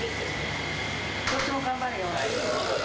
そっちも頑張れよ。